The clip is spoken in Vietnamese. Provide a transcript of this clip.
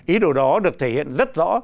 ý đồ đó được thể hiện rất rõ